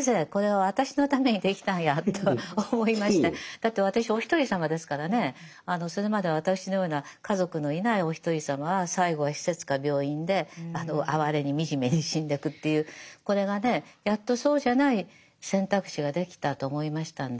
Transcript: だって私おひとりさまですからねそれまでは私のような家族のいないおひとりさまは最後は施設か病院で哀れに惨めに死んでくっていうこれがねやっとそうじゃない選択肢ができたと思いましたんで。